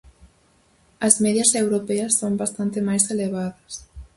As medias europeas son bastante máis elevadas.